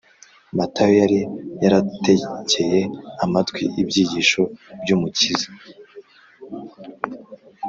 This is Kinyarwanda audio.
matayo yari yarategeye amatwi ibyigisho by’umukiza